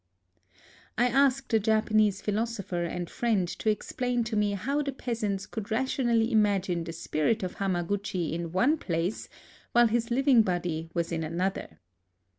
28 A LIVING GOD I asked a Japanese philosopher and friend to explain to me how the peasants could ra tionally imagine the spirit of Hamaguchi in one place while his living body was in an other.